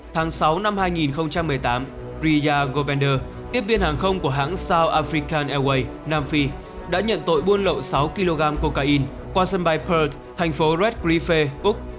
tháng sáu năm hai nghìn một mươi tám priya govender tiếp viên hàng không của hãng south african airways nam phi đã nhận tội buôn lậu sáu kg cocaine qua sân bay perth thành phố red griffith úc